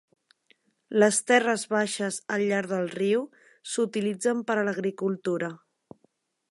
Les terres baixes al llarg del riu s'utilitzen per a l'agricultura.